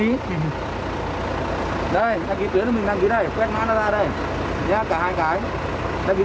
đây đăng ký tuyến mình đăng ký này quét mã nó ra đây